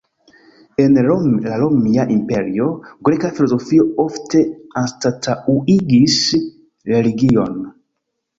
En la romia imperio, greka filozofio ofte anstataŭigis religion.